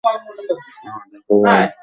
আহ, দেখো, ভাই।